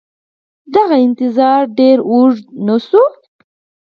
دغه انتظار ډېر اوږد نه شو